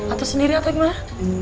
atau sendiri atau gimana